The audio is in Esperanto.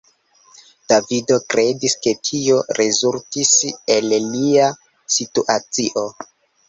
Davido kredis, ke tio rezultis el lia situacio.